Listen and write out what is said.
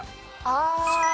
ああ。